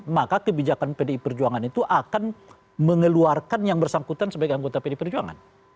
maka kebijakan pdi perjuangan itu akan mengeluarkan yang bersangkutan sebagai anggota pdi perjuangan